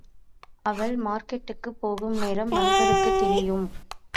அவள் மார்க்கட்டுக்குப் போகும் நேரம் நண்பருக்குத் தெரியும்.